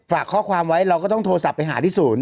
ฝากข้อความไว้เราก็ต้องโทรศัพท์ไปหาที่ศูนย์